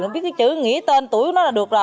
nó biết cái chữ nghỉ tên tuổi của nó là được rồi